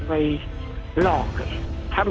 ที่สุดท้าย